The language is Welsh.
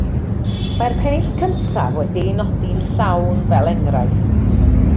Mae'r pennill cyntaf wedi ei nodi'n llawn fel enghraifft.